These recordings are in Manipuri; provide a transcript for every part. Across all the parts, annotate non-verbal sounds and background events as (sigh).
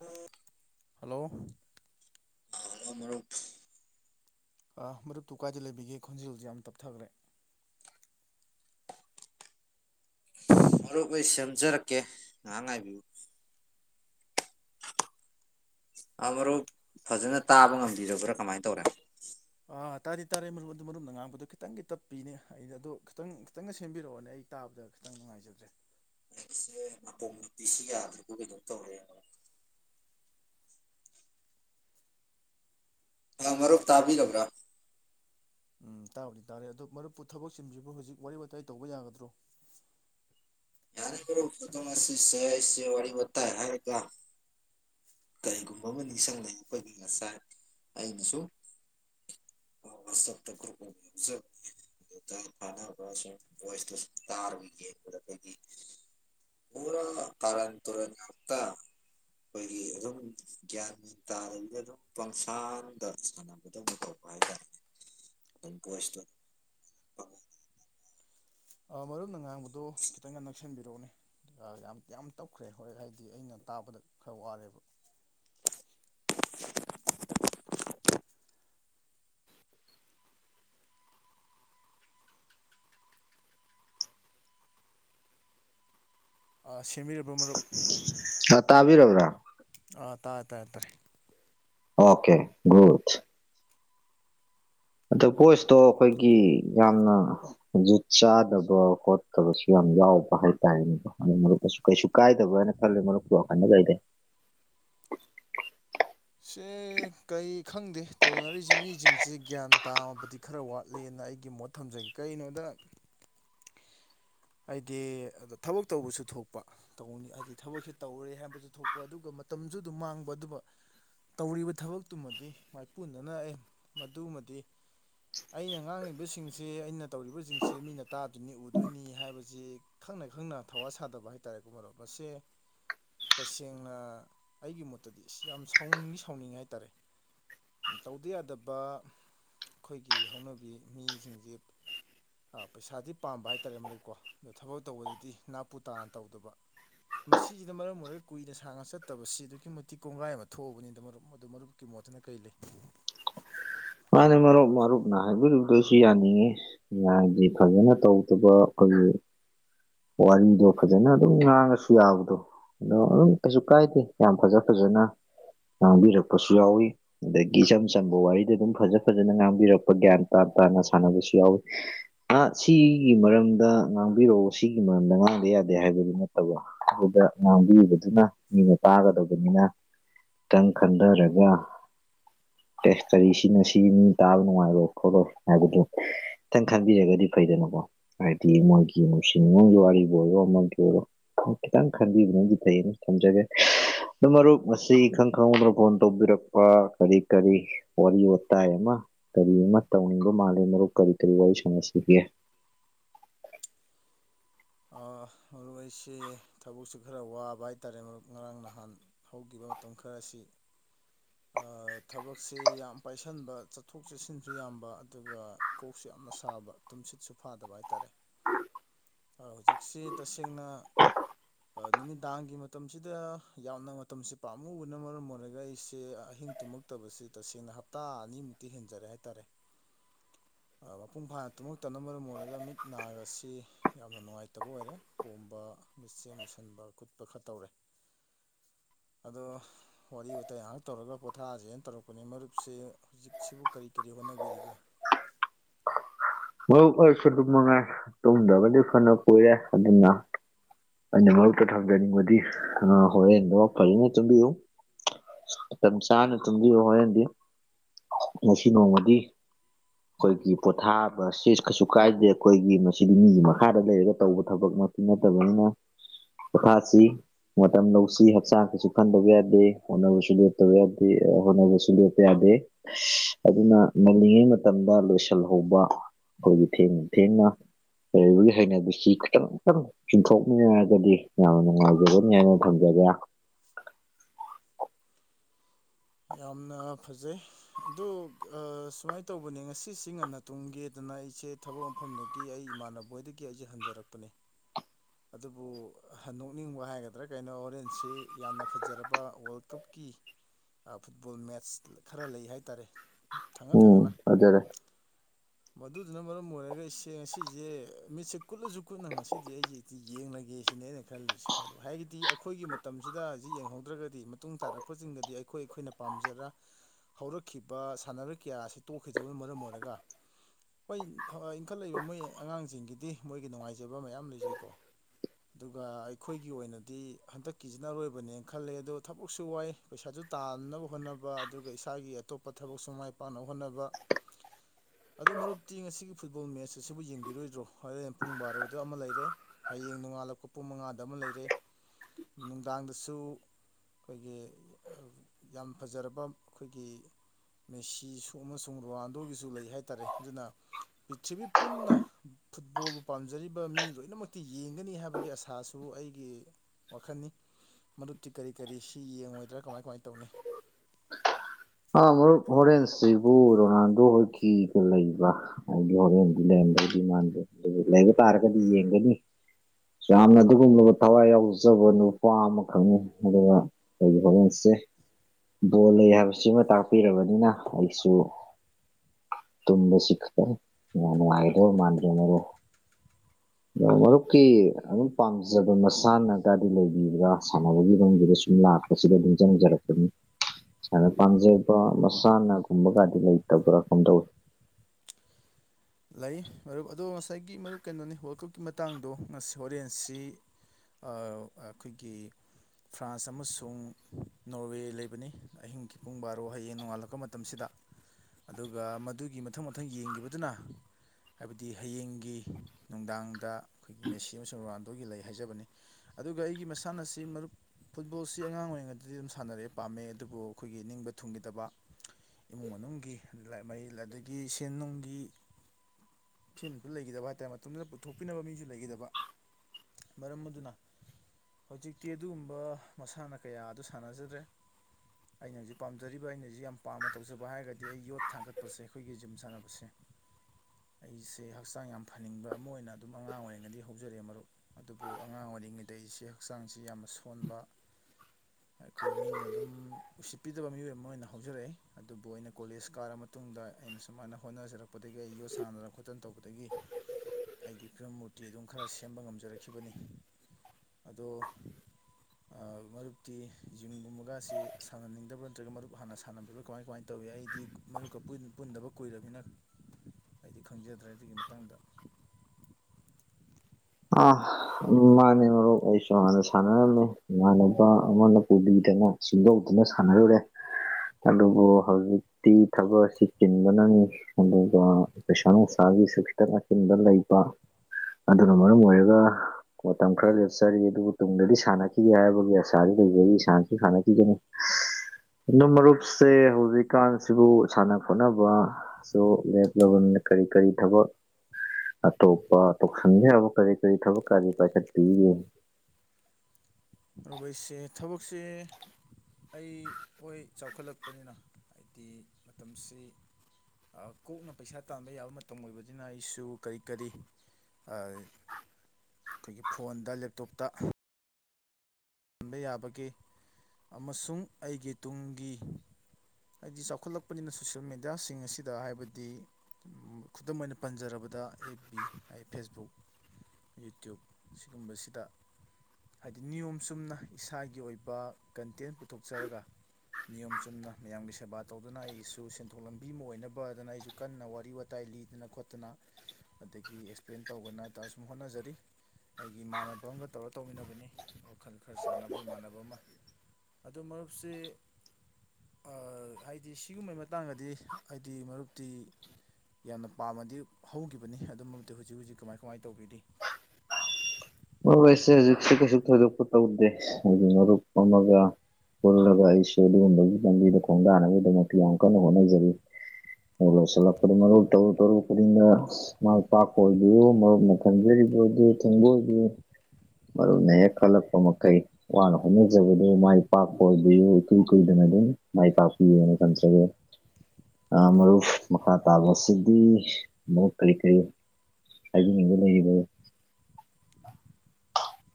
ꯎꯝ ꯍꯂꯣ ꯑ ꯍꯣ ꯃꯔꯔ ꯃꯔꯨꯞꯇꯨ ꯀꯥꯏꯗ ꯂꯩꯕꯤꯒꯦ ꯈꯣꯟꯖꯦꯜꯁꯦ ꯌꯥꯝ ꯇꯞꯊꯈ꯭ꯔꯦ ꯃꯔꯨꯞ ꯑꯩ ꯁꯦꯝꯖꯔꯛꯀꯦ ꯉꯥꯏꯍꯥꯛ ꯉꯥꯏꯕꯤꯌꯨ ꯃꯔꯨꯞ ꯐꯖꯅ ꯇꯥꯕ ꯉꯝꯕꯤꯔꯕ꯭ꯔꯥ ꯀꯃꯥꯏꯅ ꯇꯧꯔꯦ ꯑꯥ ꯇꯥꯗꯤ ꯇꯥꯔꯦ ꯃꯔꯨꯞ ꯑꯗꯨ ꯃꯔꯨꯝꯗ ꯉꯥꯡꯕꯗꯣ ꯈꯤꯇꯪꯗꯤ ꯇꯞꯄꯤꯅꯦ ꯑꯩꯩꯅ ꯑꯗꯣ ꯈꯤꯇꯪ ꯈꯤꯇꯪꯒ ꯁꯦꯝꯕꯤꯔꯛꯑꯣꯅꯦ ꯑꯩ ꯇꯥꯕꯗ ꯈꯤꯇꯪ ꯅꯨꯡꯉꯥꯏꯖꯗ꯭ꯔꯦ ꯃꯄꯣꯡ ꯅꯨꯤ ꯁꯤ ꯌꯥꯗ꯭ꯔꯒ ꯀꯩꯩꯅꯣ ꯇꯧꯔꯦ ꯑ ꯃꯔꯨꯞ ꯇꯥꯕꯤꯗꯕ꯭ꯔꯥ ꯎꯝ ꯇꯥꯕꯗꯤ ꯇꯥꯔꯦ ꯑꯗꯣ ꯃꯔꯨꯞꯄꯨ ꯊꯕꯛꯁꯤꯡꯁꯤꯕꯨ ꯍꯧꯖꯤꯛ ꯋꯥꯔꯤ ꯋꯥꯇꯥꯏ ꯇꯧꯕ ꯌꯥꯒꯗ꯭ꯔꯣ (unintelligible) ꯌꯥ ꯐꯁꯤ ꯁꯁꯤ ꯋꯥꯔꯤ ꯋꯥꯔꯤꯇꯥꯏ ꯍꯔ ꯀ ꯀꯔꯤꯒꯨꯝꯕ ꯑꯃ ꯅꯤꯡꯁꯤꯡꯂꯛꯏ ꯑꯩꯈꯣꯏꯒꯤ ꯉꯁꯥꯏ ꯑꯩꯅꯁꯨ ꯑ ꯁꯇ ꯀꯄ ꯊꯥꯅꯕ ꯁꯨꯝ ꯚꯣꯏꯁꯇꯣ ꯁꯨꯝ ꯇꯥꯔ ꯌꯦꯡꯕꯗ ꯑꯩꯈꯗꯤ ꯄꯨꯔꯥ ꯀꯔꯟ ꯇꯨꯔꯟ ꯌꯥꯥꯛꯛꯇ ꯑꯩꯈꯣꯏꯒꯤ ꯑꯗꯨꯝ ꯒ꯭ꯌꯥꯟ ꯃꯦꯟ ꯇꯥꯔꯕꯤꯗ ꯑꯗꯨꯝ ꯄꯪꯁꯥꯟꯗ ꯁꯥꯟꯅꯕꯗ ꯑꯃ ꯇꯧꯕ ꯍꯥꯏꯇꯥꯔꯦ ꯍꯄꯁ ꯃꯔꯨꯞꯅ ꯉꯥꯡꯕꯗꯣ ꯈꯤꯇꯪꯒ ꯅꯛꯁꯟꯕꯤꯔꯛꯎꯅꯦ ꯌꯥꯝ ꯌꯥꯝ ꯇꯞꯈ꯭ꯔꯦ ꯍꯣꯏ ꯍꯥꯏꯗꯤ ꯑꯩꯅ ꯇꯥꯕꯗ ꯈꯔ ꯋꯥꯔꯦꯕ ꯑ ꯁꯦꯝꯕꯤꯔꯕ ꯃꯔꯨꯞ ꯇꯥꯕꯤꯔꯕ꯭ꯔꯥ ꯑ ꯇꯥ ꯇꯥ ꯇꯔꯦ ꯑꯣꯀꯦ ꯒꯠ ꯑꯗꯣ ꯄꯣꯏꯁꯇꯣ ꯑꯩꯈꯣꯏꯒꯤ ꯌꯥꯝꯅ ꯍꯧꯖꯤꯛ ꯆꯥꯗꯕ ꯈꯣꯠꯇꯕꯁꯨ ꯌꯥꯝ ꯌꯥꯎꯕ ꯍꯥꯏꯇꯥꯔꯦꯅꯦꯀꯣ ꯑ ꯃꯔꯨꯞꯛꯇꯁꯨ ꯀꯩꯁꯨ ꯀꯥꯏꯗꯕ ꯍꯥꯏꯅ ꯈꯜꯂꯦ ꯃꯔꯨꯞꯇꯨ ꯋꯥꯈꯟꯅꯗ ꯂꯩꯩꯗ (unintelligible) ꯁꯦ ꯀꯩ ꯈꯪꯗꯦ ꯇꯧꯅꯔꯤꯁꯦ ꯃꯤꯁꯤꯡꯁꯦ ꯒ꯭ꯌꯥꯟ ꯇꯥꯕꯗꯤ ꯈꯔ ꯋꯥꯠꯂꯤꯅ ꯑꯩꯒꯤ ꯃꯣꯠ ꯊꯝꯖꯒꯦ ꯀꯅꯣꯗ ꯍꯥꯏꯗꯤ ꯑꯗ ꯊꯕꯛ ꯇꯧꯕꯁꯨ ꯊꯣꯛꯄ ꯇꯧꯅꯤ ꯍꯥꯏꯗꯤ ꯊꯕꯛꯁ ꯇꯧꯔꯦ ꯍꯥꯏꯕꯁꯨ ꯊꯣꯛꯄ ꯑꯗꯨꯒ ꯃꯇꯝꯁꯨ ꯑꯗꯨꯝ ꯃꯥꯡꯕ ꯑꯗꯨꯒ ꯇꯧꯔꯤꯕ ꯊꯕꯛꯇꯨꯃꯗꯤ ꯃꯥꯏꯄꯨꯗꯅ ꯑꯦ ꯃꯗꯨꯃꯗꯤ ꯑꯩꯅ ꯉꯥꯡꯉꯤꯕꯁꯤꯡꯁꯦ ꯑꯩꯅ ꯇꯧꯔꯤꯕꯁꯤꯡꯁꯦ ꯃꯤꯅ ꯇꯥꯗꯣꯏꯅꯤ ꯎꯗꯣꯏꯅꯤ ꯍꯥꯏꯕꯁꯤ ꯈꯪꯅ ꯈꯪꯅ ꯊꯋꯥ ꯁꯥꯗꯕ ꯍꯥꯏꯇꯥꯔꯦꯀꯣ ꯃꯔꯣ ꯃꯁꯦ ꯇꯁꯦꯡꯅ ꯑꯩꯒꯤ ꯃꯣꯠꯇꯗꯤ ꯑꯁ ꯌꯥꯝ ꯁꯥꯎꯅꯤꯡꯏ ꯁꯥꯎꯅꯤꯡꯉ ꯍꯥꯏꯇꯥꯔꯦ ꯇꯧꯗ ꯌꯥꯗꯕ ꯑꯩꯈꯣꯏꯒꯤ ꯍꯧꯅꯕꯤ ꯃꯤꯁꯤꯡꯁꯦ ꯑꯥ ꯄꯩꯁꯥꯗꯤ ꯄꯥꯝꯕ ꯍꯥꯏꯇꯥꯔꯦ ꯃꯗꯨꯀꯣ ꯑ ꯊꯕꯛ ꯇꯧꯕꯗꯗꯤ ꯅꯥꯄꯨ ꯇꯥꯅ ꯇꯧꯗꯕ ꯃꯁꯤꯁꯤꯅ ꯃꯔꯝ ꯑꯣꯏꯔꯒ ꯀꯨꯏꯅ ꯁꯥꯡꯉ ꯆꯠꯇꯕꯕꯁꯤ ꯑꯗꯨꯛꯀꯤ ꯃꯇꯤꯛ ꯀꯣꯡꯒꯥꯏ ꯑꯃ ꯊꯣꯛꯑꯕꯅꯤ ꯃꯔꯨꯞ ꯃꯔꯨꯞꯀꯤ ꯣꯅ ꯀꯩ ꯂꯩ ꯃꯥꯅꯦ ꯃꯔꯨꯞ ꯃꯔꯨꯞꯅ ꯍꯥꯏꯕꯤꯔꯨꯗꯣꯏꯁꯨ ꯌꯥꯅꯤꯡꯉꯤ ꯌꯥꯗꯤ ꯐꯖꯅ ꯇꯧꯗꯕ ꯑꯩꯈ ꯋꯥꯔꯤꯗꯣ ꯐꯖꯅ ꯑꯗꯨꯝ ꯉꯥꯡꯉꯁꯨ ꯌꯥꯕꯗꯣ ꯑꯗꯣ ꯑꯗꯨꯝ ꯀꯩꯁꯨ ꯀꯥꯏꯗꯦ ꯌꯥꯝ ꯐꯖ ꯐꯖꯅ ꯉꯥꯡꯕꯤꯔꯛꯄꯁꯨ ꯌꯥꯎꯋꯤ ꯑꯗꯒꯤ ꯏꯆꯝ ꯆꯝꯕ ꯋꯥꯔꯤꯗꯤ ꯑꯗꯨꯝ ꯐꯖ ꯐꯖꯅ ꯉꯥꯡꯕꯤꯔꯛꯄ ꯒ꯭ꯌꯥꯟ ꯇꯥꯝ ꯇꯥꯅ ꯁꯥꯟꯅꯕꯁꯨ ꯌꯥꯎꯋꯤ ꯑ ꯁꯤꯒꯤ ꯃꯔꯝꯗ ꯉꯥꯡꯕꯤꯔꯑꯣ ꯁꯤꯒꯤ ꯃꯔꯝꯗ ꯉꯥꯡꯗ ꯌꯥꯗꯦ ꯍꯥꯏꯕꯗꯨ ꯅꯠꯇꯕ ꯑꯗꯨꯗ ꯉꯥꯡꯕꯤꯕꯗꯨꯅ ꯃꯤꯅ ꯀꯥꯒꯗꯕꯅꯤ ꯌꯥ ꯈꯤꯇꯪ ꯈꯟꯗꯔꯒ (inaudible) ꯔꯦ ꯀꯔꯤ ꯁꯤꯅ ꯁꯤ ꯃꯤ ꯇꯥꯕ ꯅꯨꯡꯉꯥꯏꯔꯣ ꯈꯣꯠꯂꯣ ꯍꯥꯏꯕꯗꯣ ꯈꯤꯇꯪ ꯈꯟꯕꯤꯔꯒꯗꯤ ꯐꯩꯗꯅꯀꯣ ꯍꯥꯏꯗꯤ ꯃꯣꯏꯒꯤ ꯁꯤ ꯅꯨꯡꯒꯤ ꯋꯥꯔꯤꯕꯨ ꯑꯣꯏꯔꯣ ꯑꯃꯒꯤ ꯑꯣꯏꯔꯣ ꯈꯤꯇꯪ ꯈꯟꯕꯤꯕꯅꯗꯤ ꯐꯩꯌꯦꯅ ꯊꯝꯖꯒꯦ ꯑꯗꯨ ꯃꯔꯨꯞ ꯉꯁꯤ ꯏꯈꯪ ꯈꯪꯍꯧꯗ ꯐꯣꯟ ꯇꯧꯕꯤꯔꯛꯄ ꯀꯔꯤ ꯀꯔꯤ ꯋꯥꯔꯤ ꯋꯥꯇꯥꯏ ꯑꯃ ꯀꯔꯤ ꯑꯃ ꯇꯧꯅꯤꯡꯕ ꯃꯥꯜꯂꯤ ꯃꯔꯨꯞ ꯀꯔꯤ ꯀꯔꯤ ꯋꯥꯔꯤ ꯁꯥꯟꯅꯁꯤꯒꯦ ꯑ ꯃꯔꯨ ꯑꯩꯁꯤ ꯊꯕꯛꯁꯨ ꯈꯔ ꯋꯥꯕ ꯍꯥꯏꯇꯥꯔꯦ ꯃꯔꯨꯞ ꯉꯔꯥꯡ ꯅꯍꯥꯟ ꯍꯧꯒꯤꯕ ꯃꯇꯝ ꯈꯔ ꯁꯤ ꯑ ꯊꯕꯛꯁꯤ ꯌꯥꯝ ꯄꯥꯏꯁꯤꯟꯕ ꯆꯠꯊꯣꯛ ꯆꯠꯁꯤꯟꯁꯨ ꯌꯥꯝꯕ ꯑꯗꯨꯒ ꯀꯣꯛꯁꯤ ꯌꯥꯝꯅ ꯁꯥꯕ ꯇꯨꯝꯁꯤꯠꯁꯨ ꯐꯥꯗꯕ ꯍꯥꯏꯇꯥꯔꯦ ꯍꯧꯖꯤꯛꯁꯤ ꯇꯁꯦꯡꯅ ꯅꯨꯃꯤꯗꯥꯡꯒꯤ ꯃꯇꯝꯁꯤꯗ ꯌꯥꯝꯅ ꯃꯇꯝꯁꯦ ꯄꯥꯝꯃꯨꯕꯅ ꯃꯔꯝ ꯑꯣꯏꯔꯒ ꯑꯩꯁꯤ ꯑꯍꯤꯡ ꯇꯨꯝꯃꯛꯇꯕꯁꯤ ꯇꯁꯦꯡꯅ ꯍꯞꯇꯥ ꯑꯅꯤꯃꯨꯛꯇꯤ ꯍꯦꯟꯖꯔꯦ ꯍꯥꯏꯇꯥꯔꯦ ꯑ ꯃꯄꯨꯡ ꯐꯥꯅ ꯇꯨꯝꯃꯛꯇꯅ ꯃꯔꯝ ꯑꯣꯏꯔꯒ ꯃꯤꯠ ꯅꯥꯒꯁꯤ ꯌꯥꯝꯅ ꯅꯨꯡꯉꯥꯏꯇꯕ ꯑꯣꯏꯔꯦ ꯄꯣꯝꯕ ꯃꯤꯠꯁꯦꯝ ꯎꯏꯁꯟꯕ ꯈꯨꯠꯄ ꯈꯥ ꯇꯧꯔꯦ (inaudible) ꯑꯗꯣ ꯋꯥꯔꯤ ꯋꯥꯇꯥꯏ ꯍꯥꯛ ꯇꯧꯔꯒ ꯄꯣꯊꯥꯁꯦꯅ ꯇꯧꯔꯛꯄꯅꯦ ꯃꯔꯨꯞꯁꯦ ꯍꯧꯖꯤꯛꯁꯤꯕꯨ ꯀꯔꯤ ꯀꯔꯤ ꯍꯣꯠꯅꯕꯤꯔꯤꯒꯦ ꯃꯔꯨꯞ ꯑꯩꯁꯨ ꯑꯗꯨꯃꯉꯥꯏ ꯇꯨꯝꯗꯕꯗꯤ ꯐꯅ ꯀꯨꯏꯔꯦ ꯑꯗꯨꯅ ꯑꯩꯅ ꯃꯔꯨꯞꯇ ꯊꯝꯖꯅꯤꯡꯕꯗꯤ ꯑ ꯍꯣꯔꯦꯟꯗꯣ ꯀꯔꯤꯃ ꯇꯨꯝꯕꯤꯌꯨ ꯃꯇꯝꯆꯥꯅ ꯇꯨꯝꯕꯤꯌꯨ ꯍꯣꯔꯦꯟꯗꯤ ꯉꯁꯤ ꯅꯣꯡꯃꯗꯤ ꯈꯣꯏꯒꯤ ꯄꯣꯊꯥꯞ ꯕꯁꯤꯁ ꯀꯩꯁꯨ ꯀꯥꯏꯗꯦ ꯑꯈꯣꯏꯒꯤ ꯃꯁꯤꯗꯤ ꯃꯤꯒꯤ ꯃꯈꯥꯗ ꯂꯩꯔꯒ ꯇꯧꯕ ꯊꯕꯛꯃꯛꯇꯤ ꯅꯠꯇꯕꯅꯤꯅ ꯄꯣꯊꯥꯁꯤ ꯃꯇꯝ ꯂꯧꯁꯤ ꯍꯛꯆꯥꯡ ꯀꯩꯁꯨ ꯈꯟꯗꯕ ꯌꯥꯗꯦ ꯍꯣꯠꯅꯕꯁꯨ ꯂꯦꯞꯇꯕ ꯌꯥꯗꯦ ꯍꯣꯠꯅꯕꯁꯨ ꯂꯦꯞꯄ ꯌꯥꯗ ꯗꯦ ꯑꯗꯨꯅ ꯅꯧꯂꯤꯉꯩ ꯃꯇꯝꯗ ꯂꯣꯏꯁꯜꯍꯧꯕ ꯍꯧꯖꯨ ꯊꯦꯡꯅ ꯊꯦꯡꯅ ꯂꯩꯕꯒꯤ ꯍꯩꯅꯕꯤꯁꯤ ꯈꯤꯇꯪ ꯇꯔꯪ ꯆꯟꯊꯣꯛꯃꯤꯟꯅꯔꯒꯗꯤ ꯌꯥꯝꯅ ꯅꯨꯡꯉꯥꯏꯖꯒꯅꯤ ꯍꯥꯏꯕ ꯑꯝ ꯊꯝꯖꯒꯦ (unintelligible) ꯌꯥꯝꯅ ꯐꯖꯩ ꯑꯗꯨꯛ ꯑ ꯁꯨꯃꯥꯏ ꯇꯧꯕꯅꯦ ꯉꯁꯤꯁꯤ ꯉꯟꯅ ꯇꯨꯝꯒꯦꯗꯅ ꯑꯩꯁꯦ ꯊꯕꯛ ꯃꯐꯝꯗꯒꯤ ꯑꯩ ꯏꯃꯥꯟꯅꯕꯣꯏꯗꯒꯤ ꯑꯩꯖꯦ ꯍꯟꯖꯔꯛꯄꯅꯦ ꯑꯗꯨꯕꯨ ꯅꯣꯛꯅꯤꯡꯕ ꯍꯥꯏꯒꯗ꯭ꯔꯥ ꯀꯩꯅꯣ ꯍꯣꯔꯦꯟꯁꯤ ꯌꯥꯝꯅ ꯐꯖꯔꯕ ꯋꯥꯔꯜ ꯀꯞꯀꯤ ꯀꯤ ꯐꯨꯠꯕꯣꯜ ꯃꯦꯠꯁ ꯈꯔ ꯂꯩ ꯍꯥꯏꯇꯥꯔꯦ ꯎꯝ ꯐꯖꯔꯦ ꯃꯗꯨꯗꯨꯅ ꯃꯔꯝ ꯑꯣꯏꯔꯒ ꯑꯩꯁꯦ ꯉꯁꯤꯖꯦ ꯃꯤꯠꯁꯦ ꯀꯨꯠꯂꯁꯨ ꯀꯨꯠꯅ ꯉꯁꯤꯗꯤ ꯑꯩꯖꯦ ꯑꯦꯛꯇꯥ ꯌꯦꯡꯂ ꯌꯦ ꯁꯤꯅꯦ ꯑꯩꯅ ꯈꯜꯂꯤꯁꯤ ꯃꯔꯨ ꯍꯥꯏꯒꯗꯤ ꯑꯈꯣꯏꯒꯤ ꯃꯇꯝꯁꯤꯗ ꯑꯧꯖꯤꯠ ꯌꯦꯡꯍꯧꯗ꯭ꯔꯒꯗꯤ ꯃꯇꯨꯡ ꯇꯥꯔꯛꯄꯁꯤꯡꯗꯗꯤ ꯑꯩ ꯈꯣꯏ ꯈꯣꯏꯅ ꯄꯥꯝꯖꯔ ꯍꯧꯔꯛꯈꯤꯕ ꯁꯥꯟꯅꯔꯣꯏ ꯀꯌꯥ ꯑꯁꯤ ꯇꯣꯛꯈꯤꯗꯕꯅ ꯃꯔꯝ ꯑꯣꯏꯔꯒ (inaudible) ꯍꯣꯏ ꯏꯟꯈꯠꯂꯛꯏꯕ ꯃꯣꯏ ꯑꯉꯥꯡꯁꯤꯡꯒꯤꯗꯤ ꯃꯣꯏꯒꯤ ꯅꯨꯡꯉꯥꯏꯖꯕ ꯃꯌꯥꯝ ꯂꯩꯖꯩꯀꯣ ꯑꯗꯨꯒ ꯑꯩꯈꯣꯏꯒꯤ ꯑꯣꯏꯅꯗꯤ ꯍꯟꯗꯛꯀꯤꯖꯤꯅ ꯑꯔꯣꯏꯕꯅꯦꯟ ꯈꯜꯂꯦ ꯑꯗꯣ ꯊꯕꯛꯁꯨ ꯋꯥꯏ ꯄꯩꯁꯥꯖꯨ ꯇꯥꯅꯕ ꯍꯣꯠꯅꯕ ꯑꯗꯨꯒ ꯏꯁꯥꯒꯤ ꯑꯇꯣꯞꯄ ꯊꯕꯛꯁꯨ ꯃꯥꯏ ꯄꯥꯛꯅꯕ ꯍꯣꯠꯅꯕ ꯑꯗꯣ ꯃꯔꯨꯞꯇꯤ ꯉꯁꯤꯒꯤ ꯐꯨꯠꯕꯣꯜ ꯃꯦꯠꯆ ꯑꯁꯤꯕꯨ ꯌꯦꯡꯕꯤꯔꯣꯏꯗ꯭ꯔꯣ ꯍꯣꯔꯦꯟ ꯄꯨꯡ ꯕꯥꯔꯣꯗ ꯑꯃ ꯂꯩꯔꯦ ꯍꯌꯦꯡ ꯅꯣꯡꯉꯥꯜꯂꯛꯄ ꯄꯨꯡ ꯃꯉꯥꯗ ꯑꯃ ꯂꯩꯔꯦ ꯅꯨꯡꯗꯥꯡꯗꯁꯨ ꯈꯣꯏꯒꯤ ꯌꯥꯝ ꯐꯖꯔꯕ ꯈꯣꯏꯒꯤ ꯃꯦꯁꯤꯁꯨ ꯑꯃꯁꯨꯡ ꯔꯣꯋꯥꯜꯗꯣꯒꯤꯁꯨ ꯂꯩ ꯍꯥꯏꯦ ꯍꯥꯏ ꯇꯥꯔꯦ ꯑꯗꯨꯅ ꯄ꯭ꯔꯤꯊꯤ ꯄꯨꯝꯅ ꯐꯨꯠꯕꯣꯜꯕꯨ ꯄꯥꯝꯖꯔꯤꯕ ꯃꯤ ꯂꯣꯏꯅꯃꯛꯇꯤ ꯌꯦꯡꯒꯅꯤ ꯅꯤ ꯍꯥꯏꯕꯒꯤ ꯑꯁꯥꯁꯨ ꯑꯩꯒꯤ ꯋꯥꯈꯜꯅꯤ ꯃꯔꯨꯞ ꯇꯤ ꯀꯔꯤ ꯀꯔꯤ ꯁꯤ ꯌꯦꯡꯉꯣꯏꯗ꯭ꯔꯥ ꯀꯃꯥꯏ ꯀꯃꯥꯏꯅ ꯇꯧꯅꯤ ꯑ ꯑ ꯃꯔꯨꯞ ꯍꯣꯔꯦꯟꯁꯤꯕꯨ ꯔꯣꯅꯥꯜꯗꯣ ꯀꯤꯒ ꯂꯩꯕ ꯑꯩꯗꯤ ꯍꯣꯔꯦꯟꯗ ꯂꯩ ꯂꯩꯕ ꯇꯥꯔꯒꯗꯤ ꯌꯦꯡꯒꯅꯤ ꯌꯥꯝꯅ ꯑꯗꯨꯒꯨꯝꯂꯕ ꯊꯋꯥꯏ ꯌꯥꯎꯖꯕ ꯅꯨꯄꯥ ꯑꯃꯈꯛꯅꯤ ꯑꯗꯨꯒ ꯑꯩꯒꯤ ꯍꯣꯔꯦꯟ ꯕꯣꯜ ꯂꯩ ꯍꯥꯏꯕꯁꯤꯃ ꯇꯥꯛꯄꯤꯔꯕꯅꯤꯅ ꯑꯩꯁꯨ ꯇꯨꯝꯕ ꯁꯤꯈꯛꯇꯪ ꯅ ꯅꯨꯉꯥꯏꯒꯗꯕ ꯃꯥꯟꯗ꯭ꯔꯦ ꯃꯔꯨꯞ (unintelligible) ꯑ ꯃꯔꯨꯞꯀꯤ ꯑꯗꯨꯝ ꯄꯥꯝꯖꯕ ꯃꯁꯥꯅ ꯒꯥꯗꯤ ꯂꯩꯕꯤꯕ꯭ꯔ ꯁꯥꯟꯅꯕꯒꯤ ꯂꯝꯒꯤꯗ ꯁꯨꯝ ꯂꯥ ꯍꯥꯄ ꯁꯤꯗꯖꯔꯛꯄ ꯁ ꯄꯥꯝꯖꯕ ꯃꯁꯥꯟꯅꯒꯨꯝꯕꯒꯗꯤ ꯂꯩꯇꯕ꯭ꯔꯥ ꯀꯝꯗꯧꯏꯤ ꯂꯩ ꯃꯔꯨꯞ ꯑꯗꯣ ꯉꯁꯥꯏꯒꯤ ꯃꯔꯨꯞ ꯀꯩꯅꯣꯅꯤ ꯋꯥꯔꯜꯀꯞꯀꯤ ꯃꯇꯥꯡꯗꯣ ꯉꯁꯤ ꯍꯣꯔꯦꯟꯁꯤ ꯑ ꯑꯩꯈꯣꯏꯒꯤ ꯐ꯭ꯔꯥꯟꯁ ꯑꯃꯁꯨꯡ ꯅꯣꯔꯋꯦ ꯂꯩꯕꯅꯤ ꯑꯍꯤꯡꯒꯤ ꯄꯨꯡ ꯕꯥꯔꯣ ꯍꯌꯦꯡ ꯅꯣꯡꯉꯥꯜꯂꯛꯄ ꯃꯇꯝꯁꯤꯗ ꯑꯗꯨꯒ ꯃꯗꯨꯒꯤ ꯃꯊꯪ ꯃꯊꯪ ꯌꯦꯡꯈꯤꯕꯗꯨꯅ ꯍꯥꯏꯕꯗꯤ ꯍꯌꯦꯡꯒꯤ ꯅꯨꯡꯗꯥꯡꯗ ꯑꯩꯈꯣꯏꯒꯤ ꯃꯦꯁꯤ ꯑꯃꯁꯨꯡ ꯔꯣꯅꯥꯜꯗꯣꯒꯤ ꯂꯩ ꯍꯥꯏꯖꯕꯅꯤ ꯑꯗꯨꯒ ꯑꯩꯒꯤ ꯃꯁꯥꯟꯅ ꯑꯁꯤ ꯃꯔꯨꯞ ꯐꯨꯠꯕꯣꯜꯁꯤ ꯑꯉꯥꯡ ꯑꯣꯏꯔꯤꯉꯩꯗꯗꯤ ꯑꯗꯨꯝ ꯁꯥꯟꯅꯔꯛꯑꯦ ꯄꯥꯝꯃꯦ ꯑꯗꯨꯕꯨ ꯑꯩꯈꯣꯏꯒꯤ ꯅꯤꯡꯕ ꯊꯨꯡꯈꯤꯗꯕ ꯏꯃꯨꯡ ꯃꯅꯨꯡꯒꯤ ꯃ ꯑꯗꯒꯤ ꯁꯦꯟ ꯅꯨꯡꯒꯤ ꯐꯤꯕꯝꯗꯨ ꯂꯩꯈꯤꯗꯕ ꯍꯥꯏꯇꯥꯔꯦ ꯃꯇꯝꯗꯨꯗ ꯄꯨꯊꯣꯛꯄꯤꯅꯕ ꯃꯤꯁꯨ ꯂꯩꯈꯤꯗꯕ ꯃꯔꯝ ꯑꯗꯨꯅ ꯍꯧꯖꯤꯛꯇꯤ ꯑꯗꯨꯒꯨꯝꯕ ꯃꯁꯥꯟꯅ ꯀꯌꯥ ꯑꯗꯨ ꯁꯥꯟꯅꯖꯗ꯭ꯔꯦ ꯑꯩꯅ ꯍꯧꯖꯤꯛ ꯄꯥꯝꯖꯔꯤꯕ ꯑꯩꯅ ꯍꯧꯖꯤꯛ ꯌꯥꯝ ꯄꯥꯝꯅ ꯇꯧꯖꯕ ꯍꯥꯏꯔꯒꯗꯤ ꯑꯩ ꯌꯣꯠ ꯊꯥꯡꯒꯠꯄꯁꯦ ꯑꯩꯈꯣꯏꯒꯤ ꯖꯤꯝ ꯁꯥꯟꯅꯕꯁꯦ ꯑꯩ ꯑꯩꯁꯦ ꯍꯛꯆꯥꯡ ꯌꯥꯝ ꯐꯅꯤꯡꯕ ꯑꯃ ꯑꯣꯏꯅ ꯑꯗꯨꯝ ꯑꯉꯥꯡ ꯑꯣꯏꯔꯤꯉꯩꯗꯒꯤ ꯍꯧꯖꯔꯛꯑꯦ ꯃꯔꯨꯞ ꯑꯗꯨꯕꯨ ꯑꯉꯥꯡ ꯑꯣꯏꯔꯤꯉꯩꯗ ꯑꯩꯁꯦ ꯁꯤ ꯍꯛꯆꯥꯡꯁꯤ ꯌꯥꯝꯅ ꯁꯣꯟꯕ ꯑꯩꯈꯣꯏ ꯃꯤꯅ ꯑꯗꯨꯝ ꯎꯁꯤꯠꯄꯤꯗꯕ ꯃꯤꯑꯣꯏ ꯑꯃ ꯑꯣꯏꯅ ꯍꯧꯖꯔꯛꯑꯦ ꯑꯗꯨꯕꯨ ꯑꯩꯅ ꯀꯣꯂꯦꯖ ꯀꯥꯔ ꯑꯃ ꯃꯇꯨꯡꯗ ꯑꯩꯅ ꯁꯨꯃꯥꯏꯅ ꯍꯣꯠꯅꯖꯔꯛꯄꯗꯒꯤ ꯑꯩ ꯌꯣꯠ ꯁꯥꯟꯗꯅ ꯈꯣꯠꯇꯅ ꯇꯧꯕꯗꯒꯤ ꯑꯩꯒꯤ ꯐꯤꯂꯝ ꯃꯨꯔꯇꯤ ꯑꯗꯨꯝ ꯈꯔ ꯁꯦꯝꯕ ꯉꯝꯖꯔꯛꯈꯤꯕꯅꯤ ꯑꯗꯣ ꯃꯔꯨꯞꯇꯤ ꯌꯨꯝꯒꯨꯝꯕꯒꯁꯤ ꯁꯥꯟꯅꯅꯤꯡꯗꯕ꯭ꯔꯥ ꯅꯠꯇ꯭ꯔꯒ ꯃꯔꯨꯞ ꯍꯥꯟꯅ ꯁꯥꯟꯅꯕꯤꯕ꯭ꯔꯥ ꯀꯃꯥꯏ ꯀꯃꯥꯏꯅ ꯇꯧ ꯇꯧꯋꯤ ꯑꯩꯗꯤ ꯃꯔꯨꯞ ꯄꯨꯟꯗꯕ ꯀꯨꯏꯔꯕꯅꯤꯅ ꯑꯩꯗꯤ ꯈꯪꯖꯗ꯭ꯔꯦ ꯑꯗꯨꯒꯤ ꯃꯇꯥꯡꯗ ꯑꯥ ꯃꯥꯅꯦ ꯃꯔꯨꯞ ꯑꯩꯁꯨ ꯍꯥꯟꯅ ꯁꯥꯟꯅꯔꯝꯃꯦ ꯏꯃꯥꯟꯅꯕ ꯑꯃꯅ ꯄꯨꯕꯤ ꯗꯅ ꯁꯤ ꯂꯧꯧꯗꯨꯅ ꯁꯥꯟꯅꯔꯨꯔꯦ ꯑꯗꯨꯕꯨ ꯍꯧꯖꯤꯛꯇꯤ ꯊꯕꯛ ꯑꯁꯤ ꯀꯤꯟꯕꯅꯅꯤ ꯑꯗꯨꯒ ꯄꯩꯁꯥ ꯅꯨꯡꯁꯥ ꯁꯨ ꯈꯤꯇꯪ ꯑꯆꯤꯟꯕ ꯂꯩꯕ (unintelligible) ꯑꯗꯨꯅ ꯃꯔꯅꯝ ꯑꯣꯏꯌꯦꯒ ꯃꯇꯝ ꯈꯔ ꯂꯦꯞꯆꯔꯤ ꯑꯗꯨꯕꯨ ꯇꯨꯡꯗꯗꯤ ꯁꯥꯟꯅꯈꯤꯒꯦ ꯍꯥꯏꯕꯒꯤ ꯑꯁꯥꯗꯨ ꯂꯩꯖꯔꯤ ꯏꯁꯥꯅꯁꯨ ꯁꯥꯟꯅꯈꯤꯒꯅꯤ (unintelligible) ꯑꯗꯨꯅꯨꯡ ꯃꯔꯨꯞꯁꯦ ꯍꯧꯖꯤꯛꯀꯥꯟꯁꯤꯕꯨ ꯁꯥꯟꯅ ꯈꯣꯠꯅꯕꯁꯨ ꯂꯦꯞꯂꯕꯅꯦ ꯀꯔꯤ ꯀꯔꯤ ꯊꯕꯛ ꯑꯇꯣꯞꯄ ꯈꯪꯖꯔꯕ ꯀꯔꯤ ꯀꯔꯤ ꯊꯕꯛ ꯀꯔꯤ ꯄꯥꯏꯈꯠꯄꯤꯒꯦ ꯑꯗꯨꯒ ꯑꯩꯁꯦ ꯊꯕꯛꯁꯦ ꯑꯩ ꯍꯣꯏ ꯆꯥꯎꯈꯠꯂꯛꯄꯅꯤꯅ ꯍꯥꯏꯗꯤ ꯃꯇꯝꯁꯤ ꯀꯣꯛꯅ ꯄꯩꯁꯥ ꯇꯥꯟꯕ ꯌꯥꯕ ꯃꯇꯝ ꯑꯣꯏꯕꯕꯁꯤꯅ ꯑꯩꯁꯨ ꯀꯔꯤ ꯀꯔꯤ ꯑꯩꯈꯣꯏꯒꯤ ꯐꯣꯟꯗ ꯂꯦꯞꯇꯣꯞꯇ ꯄꯟꯕ ꯌꯥꯕꯒꯦ ꯑꯃꯁꯨꯡ ꯑꯩꯒꯤ ꯇꯨꯡꯒꯤ ꯍꯥꯏꯗꯤ ꯆꯥꯎꯈꯠꯂꯛꯄꯅꯤꯅ ꯁꯣꯁꯤꯦꯜ ꯃꯦꯗꯤꯌꯥꯁꯤꯡ ꯑꯁꯤꯗ ꯍꯥꯏꯕꯗꯤ ꯈꯨꯗꯝ ꯑꯣꯏꯅ ꯄꯟꯖꯔꯕꯗ ꯑꯦꯐ ꯕꯤ ꯐꯦꯁꯕꯨꯛ ꯌꯨꯇ꯭ꯌꯨꯞ ꯁꯤꯒꯨꯝꯕꯁꯤꯗ ꯍꯥꯏꯗꯤ ꯅꯤꯌꯣꯝ ꯆꯨꯝꯅ ꯏꯁꯥꯒꯤ ꯑꯣꯏꯕ ꯀꯟꯇꯦꯟ ꯄꯨꯊꯣꯛꯆꯔꯒ ꯅꯤꯌꯣꯝ ꯆꯨꯝꯅ ꯃꯤꯌꯥꯝꯒꯤ ꯁꯦꯕꯥ ꯇꯧꯗꯨꯅ ꯑꯩꯒꯤꯁꯨ ꯁꯦꯟꯊꯣꯛ ꯂꯝꯕꯤ ꯑꯃ ꯑꯣꯏꯅꯕꯗꯅ ꯑꯩꯁꯨ ꯀꯟꯅ ꯋꯥꯔꯤ ꯋꯥꯇꯥꯏ ꯂꯤꯗꯅ ꯈꯣꯠꯇꯅ ꯑꯗꯒꯤ ꯑꯦꯛꯁꯄ꯭ꯂꯦꯟ ꯇꯧꯒꯅ ꯁꯨꯝ ꯍꯣꯠꯅꯖꯔꯤ ꯑꯩꯒꯤ ꯏꯃꯥꯟꯅꯕ ꯑꯃꯒ ꯇꯧꯔ ꯇꯧꯃꯤꯟꯅꯕꯅꯤ ꯋꯥꯈꯜꯂ ꯈꯔ ꯁꯥꯟꯅꯕ ꯏꯃꯥꯟꯅꯕ ꯑꯃ ꯑꯗꯨ ꯃꯔꯨꯞꯁꯤ ꯑꯥ ꯍꯥꯏꯗꯤ ꯁꯤꯒꯨꯝꯕꯩ ꯃꯇꯥꯡꯗꯗꯤ ꯍꯥꯏꯗꯤ ꯃꯔꯨꯞꯇꯤ ꯌꯥꯝꯅ ꯄꯥꯝꯃꯗꯤ ꯍꯧꯈꯤꯕꯅꯤ ꯑꯗꯨꯝꯕꯤ ꯍꯧꯖꯤꯛ ꯍꯧꯖꯤꯛ ꯀꯃꯥꯏ ꯀꯃꯥꯏ ꯇꯧꯕꯤꯔꯤ (unintelligible) (inaudible) ꯃꯔꯣꯏ ꯑꯩꯁꯦ ꯍꯧꯖꯤꯛꯁ ꯀꯩꯁꯨ ꯊꯣꯏꯗꯣꯛꯄ ꯇꯧꯗꯦ ꯍꯥꯏꯗꯤ ꯃꯔꯨꯞ ꯑꯃꯒ ꯄꯨꯜꯒ ꯑꯩꯁꯨꯑꯗꯨꯒꯨꯝꯕꯒꯤ ꯂꯝꯕꯤꯗ ꯈꯣꯡꯗꯥꯅꯕꯒꯤꯗꯃꯛꯇ ꯌꯥꯝ ꯀꯟꯅ ꯍꯣꯠꯅꯖꯔꯤ ꯂꯁꯂ ꯀꯔꯤ ꯃꯔ ꯇꯧꯨ ꯇꯧꯔꯨ ꯀꯔꯤꯅ ꯃꯥ ꯄꯥꯛ ꯑꯣꯏ ꯃꯊꯪꯖꯔꯤ ꯕꯣ ꯊꯦꯡꯕꯣꯕꯨ (unintelligible) (inaudible) ꯃꯔꯨꯅ ꯍꯦꯛ ꯈꯜꯂꯛꯄ ꯃꯈꯩ ꯋꯥꯅ ꯍꯣꯠꯅꯖꯕꯗꯨ ꯃꯥꯏ ꯄꯥꯛꯄ ꯑꯣꯏꯕꯤꯎ ꯏꯀꯨ ꯀꯨꯏꯗꯅ ꯑꯗꯨ ꯃꯥꯏ ꯀꯥꯐꯤ ꯀꯟ ꯆꯒꯦ ꯃꯔꯨꯞ ꯃꯈꯥ ꯇꯥꯕꯕꯁꯤꯗꯤ ꯑꯃꯨꯛ ꯀꯔꯤ ꯀꯔꯤ ꯍꯥꯏꯒ ꯂꯩꯕ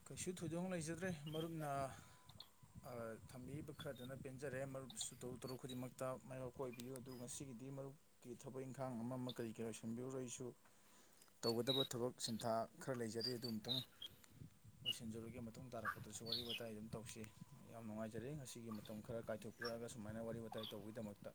ꯀꯩꯁꯨ ꯊꯣꯏꯗꯣꯛ ꯂꯩꯖꯗ꯭ꯔꯦ ꯃꯔꯨꯞꯅ ꯊꯝꯕꯤꯕ ꯈꯔꯗꯨꯅ ꯄꯦꯟꯖꯔꯦꯨꯞꯁꯨ ꯇꯔꯨ ꯇꯔꯨꯛ ꯈꯨꯗꯤꯡꯃꯛꯇ ꯃꯥꯏꯌꯣꯛꯀ ꯑꯣꯏꯕꯤꯌꯨ ꯑꯗꯨꯒ ꯃꯁꯤꯒꯤ ꯑꯩꯗꯤ ꯃꯔꯨꯞꯀꯤ ꯊꯕꯛ ꯏꯪꯈꯥꯡ ꯑꯃ ꯑꯃ ꯀꯔꯤ ꯀꯔꯤ ꯂꯣꯏꯁꯤꯟꯕꯤꯔꯔ ꯑꯩꯁꯨ ꯇꯧꯒꯗꯕ ꯊꯕꯛ ꯁꯤꯟꯊꯥ ꯈꯔ ꯂꯩꯖꯔꯤ ꯑꯗꯨ ꯑꯃꯨꯛꯇꯪ ꯂꯣꯏꯁꯤꯟꯖꯔꯨꯒꯦ ꯃꯇꯨꯡ ꯇꯥꯔꯛꯄꯗꯁꯨ ꯋꯥꯔꯤ ꯋꯥꯋꯇꯥꯏ ꯑꯗꯨꯝ ꯇꯧꯁꯤ ꯌꯥꯝ ꯅꯨꯡꯉꯥꯏꯖꯔꯦ ꯉꯁꯤꯒꯤ ꯃꯇꯝ ꯈꯔ ꯀꯥꯏꯊꯣꯛꯄꯤ ꯆꯛꯂꯑꯒ ꯁꯨꯃꯥꯏꯅ ꯋꯥꯔꯤ ꯋꯥꯋꯇꯥꯏ ꯇꯧꯕꯒꯤꯗꯃꯛꯇ